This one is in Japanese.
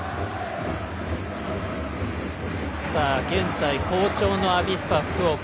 現在、好調のアビスパ福岡。